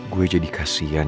gue jadi kasihan